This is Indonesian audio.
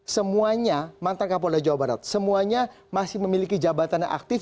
semuanya mantan kapolda jawa barat semuanya masih memiliki jabatan yang aktif